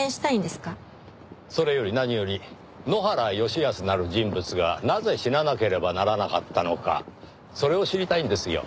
それより何より埜原義恭なる人物がなぜ死ななければならなかったのかそれを知りたいんですよ。